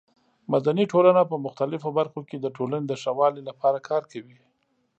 مدني ټولنه په مختلفو برخو کې د ټولنې د ښه والي لپاره کار کوي.